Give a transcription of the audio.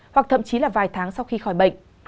hoặc thậm chí là vài tháng sau khi khỏi bệnh